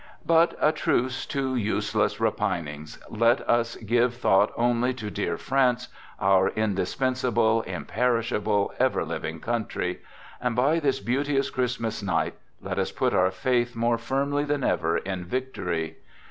But a truce to useless repinings! Let us give thought only to our dear France, our indispensable, imperishable, ever living country! And, by this beauteous Christmas night, let us put our faith more firmly than ever in victory.